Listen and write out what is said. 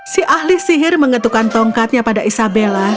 si ahli sihir mengetukkan tongkatnya pada isabella